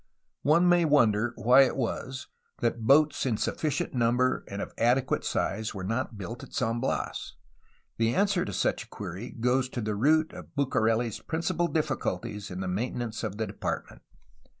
One may wonder why it was that boats in sufficient num bers and of adequate size were not built at San Bias. The answer to such a query goes to the root of BucareH's principal difficulties in the maintenance of the Department.